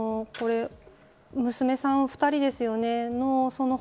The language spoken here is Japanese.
娘さん２人ですよね。